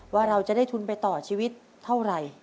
ว่าเราจะได้ทุนไปต่อชีวิตเท่าไหร่